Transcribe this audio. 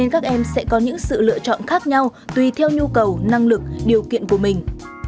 các em sẽ có những sự lựa chọn khác nhau tùy theo nhu cầu năng lực điều kiện của mình